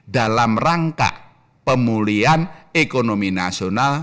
dalam rangka pemulihan ekonomi nasional